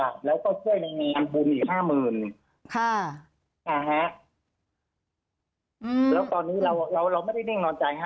แปบแล้วก็ช่วยในงานบูนอีกห้ามึนค่ะฮะแล้วตอนนี้เราเราเราไม่ได้